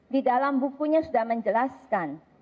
di dalam bukunya sudah menjelaskan